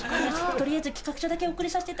取りあえず企画書だけお送りさせて。